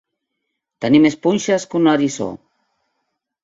Tenir més punxes que un eriçó.